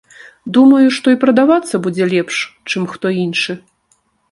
Думаю, што і прадавацца будзе лепш, чым хто іншы.